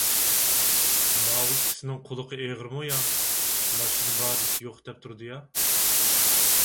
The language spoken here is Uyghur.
ماۋۇ ئىككىسىنىڭ قۇلىقى ئېغىرمۇ يا؟ ماشىنا بار دېسە يوق دەپ تۇرىدۇ-يا.